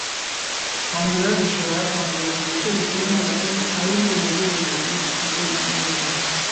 Kwandura zishobora kwandurira mu bice bituwe n'abakene aho inzego z'ubuvuzi zifite intege nke.